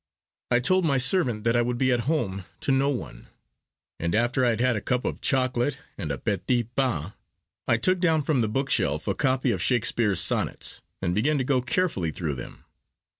I told my servant that I would be at home to no one; and after I had had a cup of chocolate and a petit pain, I took down from the book shelf my copy of Shakespeare's Sonnets, and began to go carefully through them.